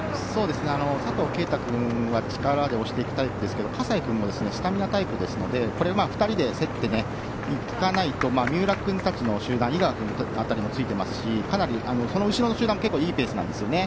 佐藤圭汰君は力で押していくタイプですけど葛西君もスタミナタイプですので２人で競っていかないと三浦君たちの集団井川君もついていますしかなり、その後ろの集団もいいペースなんですよね。